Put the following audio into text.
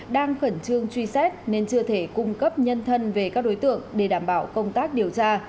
đang khẩn trương truy xét nên chưa thể cung cấp nhân thân về các đối tượng để đảm bảo công tác điều tra